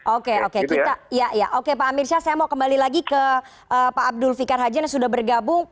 oke oke kita ya oke pak amir syah saya mau kembali lagi ke pak abdul fikar haji yang sudah bergabung